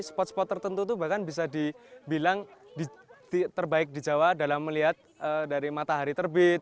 spot spot tertentu itu bahkan bisa dibilang terbaik di jawa dalam melihat dari matahari terbit